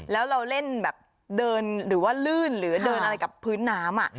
แล้วเราเล่นแบบเนื่องว่าเลยเหรอโดนอะไรกับพื้นน้ำอ่ะ